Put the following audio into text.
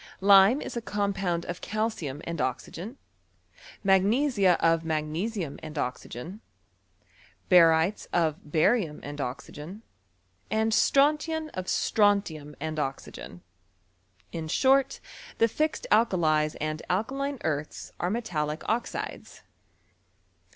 Lime is a compound of calcium and oxygen, mag nesia of magnesium and oxygen, barytes of bariutu and oxygen, and strontian of sfronf lum and oxygen. In short, the fixed alkalies and alkaline earths, are metallic oxides.